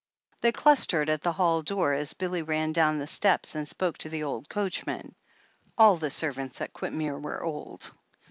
^ They clustered at the hall door as Billy ran down the steps and spoke to the old coachman. All the servants at Quintmere were old.